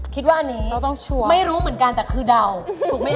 คิดว่าอันนี้ไม่รู้เหมือนกันแต่คือเดาถูกไหมค